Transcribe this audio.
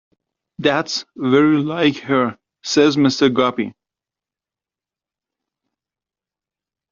"That's very like her," says Mr. Guppy.